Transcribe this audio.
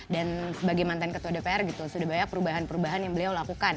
dan sebagai mantan ketua dpr gitu sudah banyak perubahan perubahan yang beliau lakukan